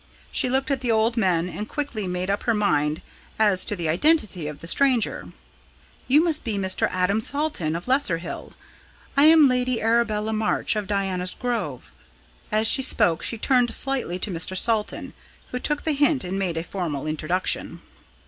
She looked at the old men and quickly made up her mind as to the identity of the stranger. "You must be Mr. Adam Salton of Lesser Hill. I am Lady Arabella March of Diana's Grove." As she spoke she turned slightly to Mr. Salton, who took the hint and made a formal introduction.